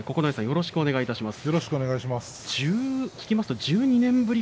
よろしくお願いします。